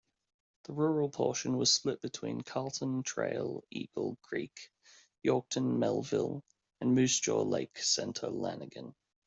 The rural portion was split between Carlton Trail-Eagle Creek, Yorkton-Melville and Moose Jaw-Lake Centre-Lanigan.